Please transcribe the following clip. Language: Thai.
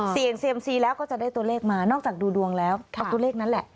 เซียมซีแล้วก็จะได้ตัวเลขมานอกจากดูดวงแล้วก็ตัวเลขนั้นแหละ